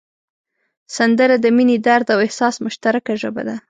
سندره د مینې، درد او احساس مشترکه ژبه ده